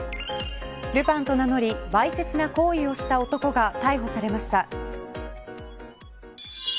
ルパンと名乗りわいせつな行為をした男が逮捕されました。